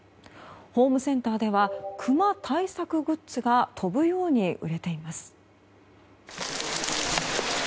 ホームセンターではクマ対策グッズが飛ぶように売れています。